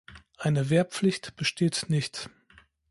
Eine Wehrpflicht besteht nicht.